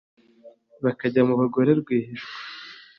bakajya mu bagore rwihishwa